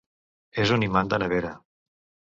És un imant de nevera!